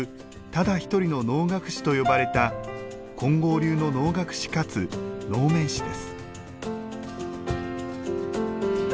ただ一人の能楽師」と呼ばれた金剛流の能楽師かつ能面師です。